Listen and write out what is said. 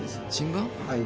はい。